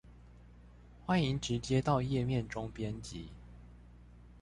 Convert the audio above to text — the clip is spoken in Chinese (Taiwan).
歡迎直接到頁面中編輯